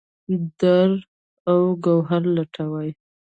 دُراو ګوهر لټوي